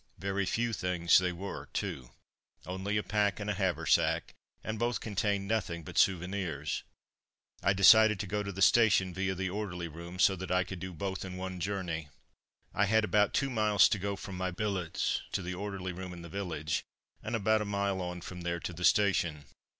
Very few things they were, too. Only a pack and a haversack, and both contained nothing but souvenirs. I decided to go to the station via the orderly room, so that I could do both in one journey. I had about two miles to go from my billets to the orderly room in the village, and about a mile on from there to the station.